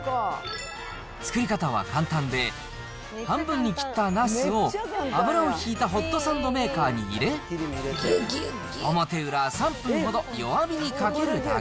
作り方は簡単で、半分に切ったなすを油を引いたホットサンドメーカーに入れ、表裏３分ほど弱火にかけるだけ。